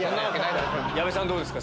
矢部さんどうですか？